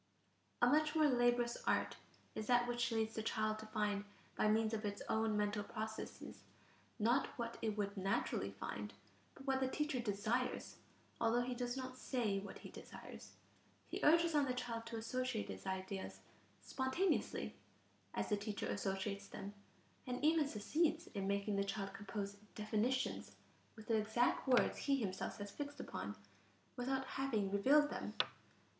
A much more laborious art is that which leads the child to find by means of its own mental processes, not what it would naturally find, but what the teacher desires, although he does not say what he desires; he urges on the child to associate his ideas "spontaneously" as the teacher associates them and even succeeds in making the child compose definitions with the exact words he himself has fixed upon, without having revealed them.